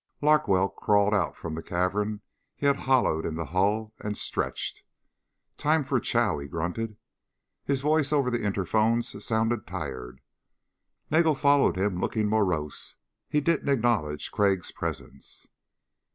Larkwell crawled out from the cavern he had hollowed in the hull and stretched. "Time for chow," he grunted. His voice over the interphones sounded tired. Nagel followed him looking morose. He didn't acknowledge Crag's presence.